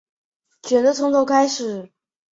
选择从头开始